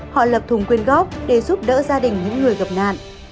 họ lập thùng quyên góp để giúp đỡ gia đình những người gặp nạn